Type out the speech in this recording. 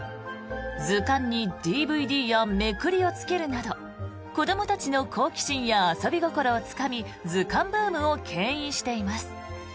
図鑑にＤＶＤやめくりをつけるなど子どもたちの好奇心や遊び心をつかみ図鑑ブームをけん引しています。